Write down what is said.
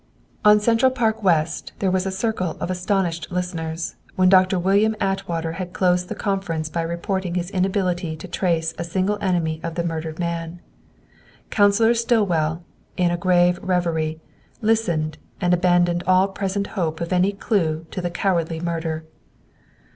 On Central Park West there was a circle of astonished listeners, when Doctor William Atwater had closed the conference by reporting his inability to trace a single enemy of the murdered man. Counsellor Stillwell, in a grave reverie, listened and abandoned all present hope of any clue to the cowardly murder.